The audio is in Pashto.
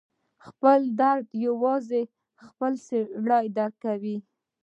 خپل درد یوازې خپله سړی درک کوي.